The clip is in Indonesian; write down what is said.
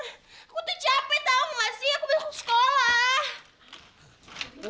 aku tuh cape tau ga sih aku belom ke sekolah